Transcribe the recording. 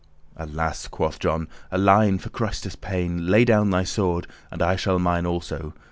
"Alas!" quoth John, "Alein, for Christes pain Lay down thy sword, and I shall mine also.